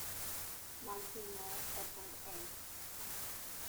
Monsignor Edward A.